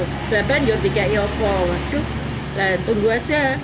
terlalu banyak yang tanya ya apa waduh tunggu saja